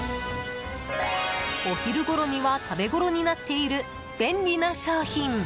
お昼ごろには食べごろになっている便利な商品。